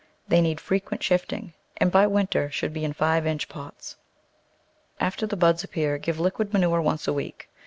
They need frequent shift ing, and by winter should be in five inch pots. After the buds appear give liquid manure once a week.